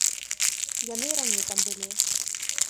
Яны і раней там былі.